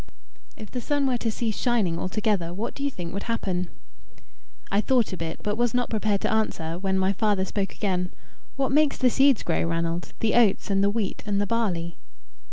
"If the sun were to cease shining altogether, what do you think would happen?" I thought a bit, but was not prepared to answer, when my father spoke again. "What makes the seeds grow, Ranald the oats, and the wheat, and the barley?"